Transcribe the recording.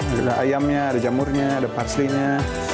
ada ayamnya ada jamurnya ada parsley nya